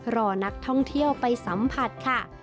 รอนักท่องเที่ยวไปสัมผัสค่ะ